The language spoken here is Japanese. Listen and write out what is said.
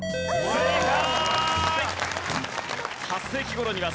正解！